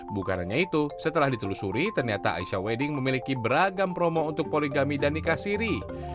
bukan hanya itu setelah ditelusuri ternyata aisyah wedding memiliki beragam promo untuk poligami dan nikah siri